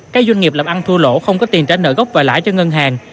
các doanh nghiệp làm ăn thua lỗ không có tiền trả nợ gốc và lãi cho ngân hàng